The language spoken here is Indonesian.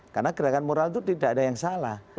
karena gerakan moral itu tidak ada yang salah